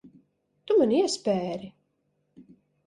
Tu man iespēri.